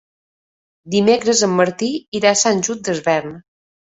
Dimecres en Martí irà a Sant Just Desvern.